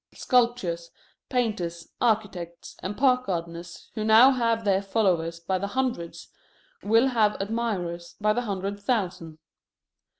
Sculptors, painters, architects, and park gardeners who now have their followers by the hundreds will have admirers by the hundred thousand.